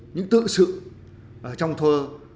những tự sự trong thơ